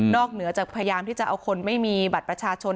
เหนือจากพยายามที่จะเอาคนไม่มีบัตรประชาชน